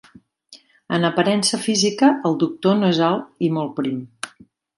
En aparença física, el doctor No és alt i molt prim.